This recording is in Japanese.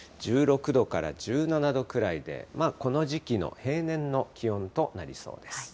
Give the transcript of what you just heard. １６度から１７度くらいで、この時期の平年の気温となりそうです。